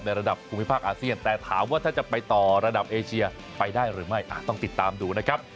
ระดับภูมิภาคอาเซียนแต่ถามว่าถ้าจะไปต่อระดับเอเชียไปได้หรือไม่ต้องติดตามดูนะครับ